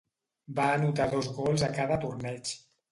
Va anotar dos gols a cada torneig.